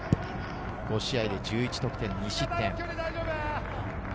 ５試合で１１得点２失点。